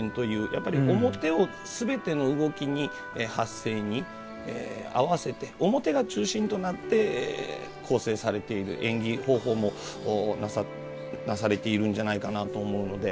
やっぱり面をすべての動きに発声に合わせて面が中心となって構成されている演技方法もなされているんじゃないかなと思うので。